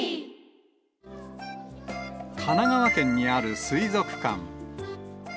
神奈川県にある水族館。